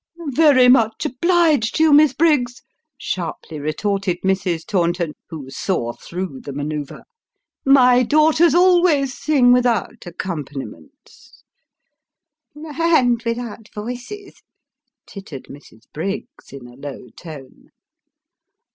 " Very much obliged to you, Miss Briggs," sharply retorted Mrs. Taunton, who saw through the manoeuvre ;" my daughters always sing without accompaniments." The Briggses and Tauntons. 299 " And without voices," tittered Mrs. Briggs, iu a low tone.